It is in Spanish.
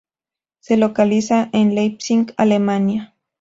Se localiza en Leipzig, Alemania.